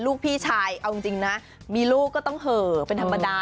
พี่ชายเอาจริงนะมีลูกก็ต้องเหอะเป็นธรรมดา